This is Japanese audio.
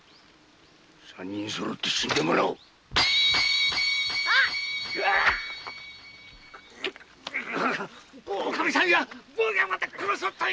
三人そろって死んでもらおうおかみさんや坊やまで殺すつもりか。